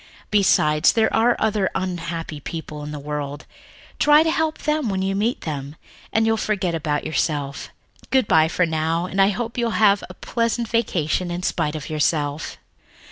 Besides, there are other unhappy people in the world try to help them when you meet them, and you'll forget about yourself. Good by for now, and I hope you'll have a pleasant vacation in spite of yourself."